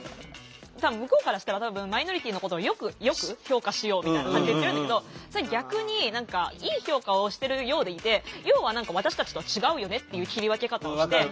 向こうからしたら多分マイノリティーのことをよく評価しようみたいな感じで言ってるんだけどそれ逆にいい評価をしてるようでいて要は何か私たちとは違うよねっていう切り分け方をして。